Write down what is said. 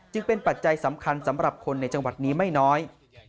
จึงเป็นปัจจัยสำคัญสำหรับคนในจังหวัดนี้ไม่น้อย